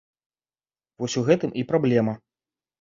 Вось у гэтым і праблема!